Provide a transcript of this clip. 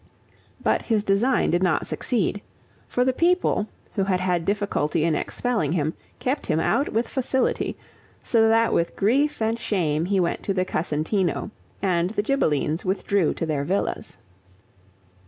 But his design did not succeed; for the people, who had had difficulty in expelling him, kept him out with facility; so that with grief and shame he went to the Casentino, and the Ghibellines withdrew to their villas.